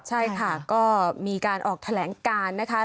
ใช่ค่ะก็มีการออกแถลงการนะคะ